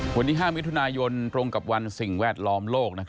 วันนี้๕มิถุนายนตรงกับวันสิ่งแวดล้อมโลก